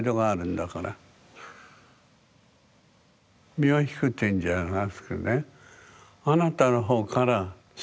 身を引くっていうんじゃなくてね。